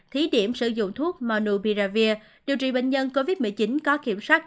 thí điểm sử dụng thuốc monobiravir điều trị bệnh nhân covid một mươi chín có kiểm soát